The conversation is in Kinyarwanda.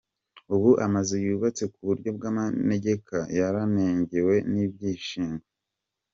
Ubu amazu yubatse ku buryo bw'amanegeka yarengewe n'ibishingwe.